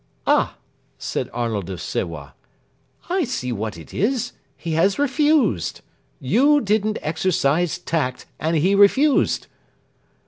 "Ah," said Arnold of Sewa, "I see what it is. He has refused. You didn't exercise tact, and he refused."